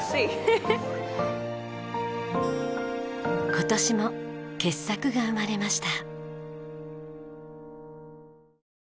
今年も傑作が生まれました。